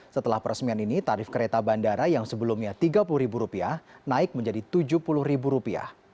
setelah peresmian ini tarif kereta bandara yang sebelumnya rp tiga puluh naik menjadi rp tujuh puluh